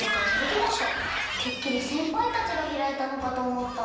てっきりせんぱいたちがひらいたのかとおもった。